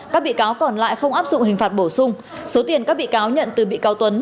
các bị cáo còn lại không áp dụng hình phạt bổ sung số tiền các bị cáo nhận từ bị cáo tuấn